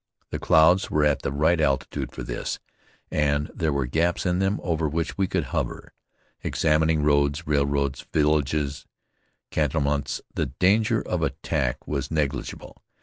The clouds were at the right altitude for this, and there were gaps in them over which we could hover, examining roads, railroads, villages, cantonments. The danger of attack was negligible.